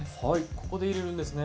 ここで入れるんですね。